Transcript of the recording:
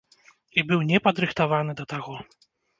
І быў не падрыхтаваны да таго.